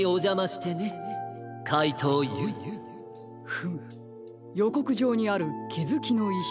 フムよこくじょうにある「きづきのいし」とは？